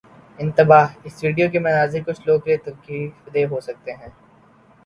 انتباہ: اس ویڈیو کے مناظر کچھ لوگوں کے لیے تکلیف دہ ہو سکتے ہیں